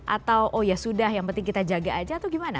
atau oh ya sudah yang penting kita jaga aja atau gimana